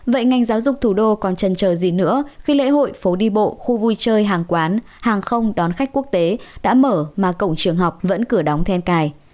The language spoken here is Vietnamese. vậy ngành giáo dục thủ đô còn trần chờ gì nữa khi lễ hội phố đi bộ khu vui chơi hàng quán hàng không đón khách quốc tế đã mở mà cổng trường học vẫn cửa đóng then cài